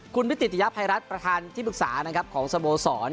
คุณวิติธิยภัยรัฐประธานที่ปรึกษาของสโบสร